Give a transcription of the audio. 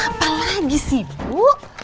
apa lagi sih bu